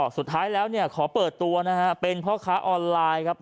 สุดท้ายแล้วขอเปิดตัวนะฮะเป็นเพราะข้าวออนไลน์ครับ